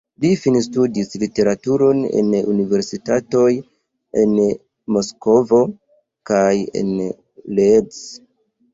Li finstudis literaturon en universitatoj en Moskvo kaj en Leeds.